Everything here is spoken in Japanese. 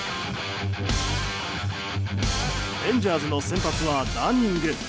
レンジャーズの先発はダニング。